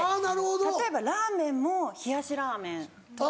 例えばラーメンも冷やしラーメンとか。